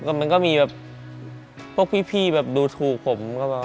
มันก็มีแบบพวกพี่ดูถูกผม